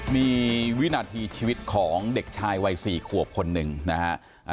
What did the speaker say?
มีวินาทีชีวิตของเด็กชายวัย๔ขวบคนหนึ่งนะฮะ